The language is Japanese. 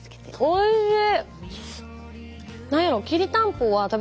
おいしい。